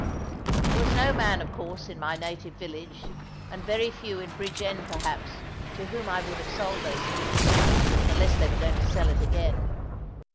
There was no man, of course, in my native village, and very few in Bridgend perhaps, to whom I would have sold those fish, unless they were going to sell it again.